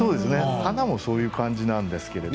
花もそういう感じなんですけど。